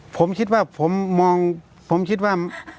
ผมคิดว่าผมมองผมคิดว่า